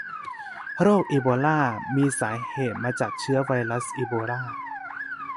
โรคอีโบลามีสาเหตุมาจากเชื้อไวรัสอีโบลา